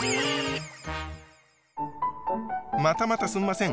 またまたすんません。